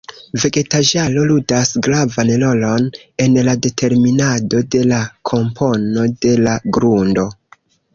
Vegetaĵaro ludas gravan rolon en la determinado de la kompono de la grundo.